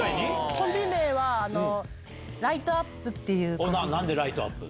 コンビ名は、ライトアップっなんでライトアップ？